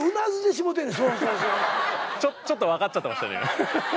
ちょっと分かっちゃってましたね。